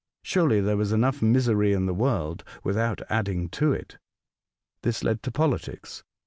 Surely there was enough misery in the world without adding to it ? This led to politics.